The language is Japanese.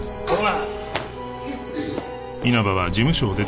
お前。